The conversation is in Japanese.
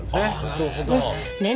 なるほど。